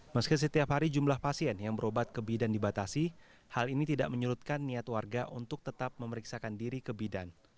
meski setiap hari jumlah pasien yang berobat ke bidan dibatasi hal ini tidak menyurutkan niat warga untuk tetap memeriksakan diri ke bidan